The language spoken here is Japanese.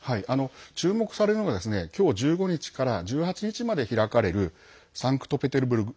注目されるのがきょう１５日から１８日まで開かれるサンクトペテルブルク